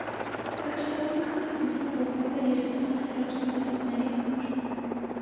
Հեռուստաալիքը մեծ մասամբ ուղղված է երիտասարդ հեռուստադիտողների համար։